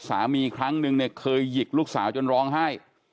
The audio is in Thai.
สามีครั้งหนึ่งเคยหยิกลูกสาวจนร้องไห้